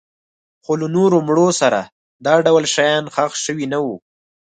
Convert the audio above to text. خو له نورو مړو سره دا ډول شیان ښخ شوي نه وو